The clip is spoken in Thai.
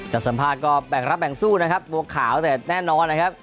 สัมภาษณ์ก็แบ่งรับแบ่งสู้นะครับบัวขาวแต่แน่นอนนะครับ